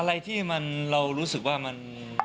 อะไรที่เรารู้สึกว่ามัน